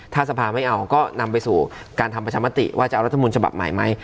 ถ้าสภาไม่เอาก็นำไปสู่การทำประชามติว่าจะเอารัฐมนต์ฉบับใหม่ไหม